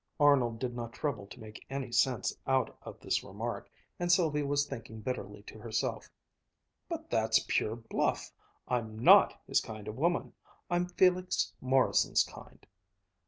Arnold did not trouble to make any sense out of this remark, and Sylvia was thinking bitterly to herself: "But that's pure bluff! I'm not his kind of a woman. I'm Felix Morrison's kind!"